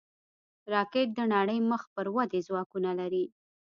راکټ د نړۍ مخ پر ودې ځواکونه لري